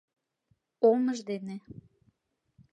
Омыж дене!